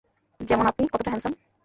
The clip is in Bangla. যেমন আপনি কতটা হ্যাঁন্ডসাম।